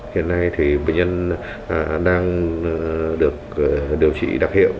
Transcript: hiện nay thì bệnh nhân đang được điều trị đặc hiệu